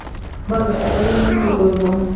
বলো ওগুলো নিয়ে কী করবো?